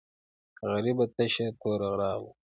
غریبه تشه توره راغله.